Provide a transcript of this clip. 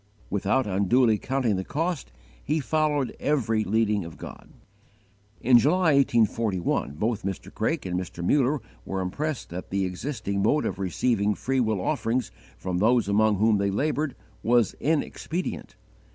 Without unduly counting the cost, he followed every leading of God. In July, 1841, both Mr. Craik and Mr. Muller were impressed that the existing mode of receiving free will offerings from those among whom they laboured was inexpedient.